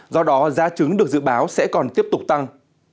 do đó giá trứng được dự báo sẽ còn tiếp tục tăng